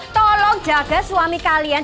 tolong jaga suami kalian